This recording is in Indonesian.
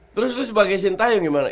terus lu sebagai sintayung gimana